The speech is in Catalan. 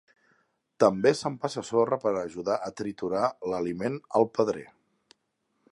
També s'empassa sorra per ajudar a triturar l'aliment al pedrer.